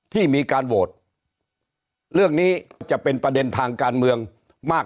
ที่มีการโหวตเรื่องนี้จะเป็นประเด็นทางการเมืองมาก